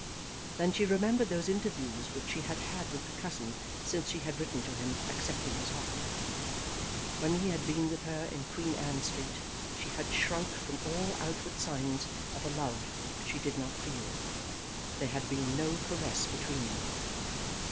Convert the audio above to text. Then she remembered those interviews which she had had with her cousin since she had written to him, accepting his offer. When he had been with her in Queen Anne Street she had shrunk from all outward signs of a love which she did not feel. There had been no caress between them.